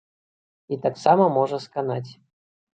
І таксама можа сканаць.